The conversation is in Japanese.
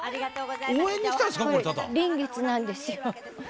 臨月なんですよ。